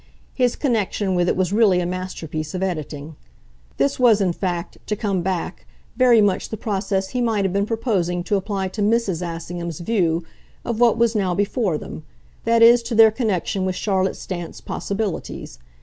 His connection with it was really a master piece of editing. This was in fact, to come back, very much the process he might have been proposing to apply to Mrs. Assingham's view of what was now before them; that is to their connection with Charlotte Stant's possibilities.